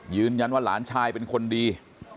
ยืนยันว่าหลานชายเป็นคนดี